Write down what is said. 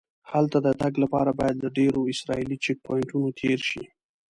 هلته د تګ لپاره باید له ډېرو اسرایلي چیک پواینټونو تېر شې.